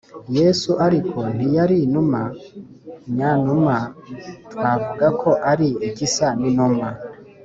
Yesu ariko ntiyari inuma nyanuma twavuga ko ari igisa n inuma